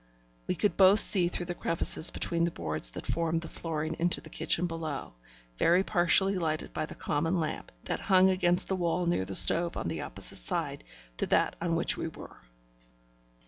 We could both see through the crevices between the boards that formed the flooring into the kitchen below, very partially lighted by the common lamp that hung against the wall near the stove on the opposite side to that on which we were.